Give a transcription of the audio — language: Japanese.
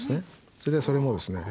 それでそれもですね